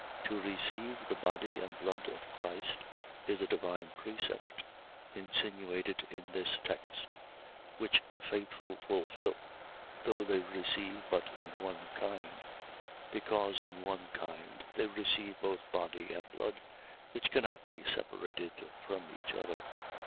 .To receive the body and blood of Christ, is a divine precept, insinuated in this text; which the faithful fulfil, though they receive but in one kind; because in one kind they receive both body and blood, which cannot be separated from each other.